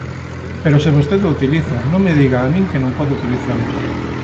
Pero se vostede o utiliza, non me diga a min que non podo utilizalo.